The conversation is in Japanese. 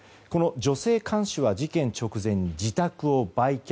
この女性看守は事件直前に自宅を売却。